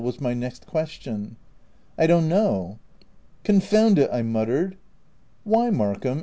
5 was ray next question. " I don't know." "Confound it !" I muttered. "Why, Markham?"